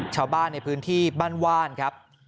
ชาวบ้านในพื้นที่บ้านว่านครับ